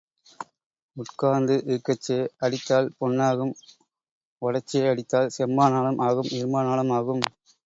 உட்கார்ந்து இருக்கச்சே அடித்தால் பொன்னாகும் ஓடச்சே அடித்தால் செம்பானாலும் ஆகும் இரும்பானாலும் ஆகும்.